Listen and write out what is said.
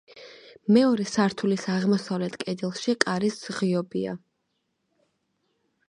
მეორე სართულის აღმოსავლეთ კედელში კარის ღიობია.